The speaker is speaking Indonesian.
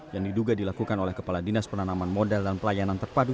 yang diduga dilakukan oleh kepala dinas penanaman modal dan pelayanan terpadu